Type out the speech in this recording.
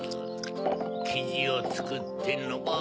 きじをつくってのばして